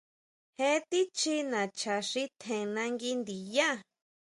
Je tichí nacha xi tjen nangui ndiyá.